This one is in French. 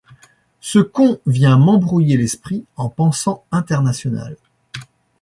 Ce con vient m’embrouiller l’esprit, en pensant international.